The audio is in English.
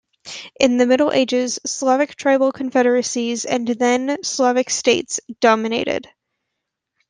In the Middle Ages, Slavic tribal confederacies, and then Slavic states, dominated.